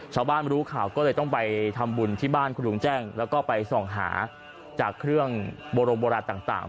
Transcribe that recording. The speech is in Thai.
ชาวบ้านรู้ข่าวก็เลยต้องไปทำบุญที่บ้านคุณลุงแจ้งแล้วก็ไปส่องหาจากเครื่องบรมโบราณต่าง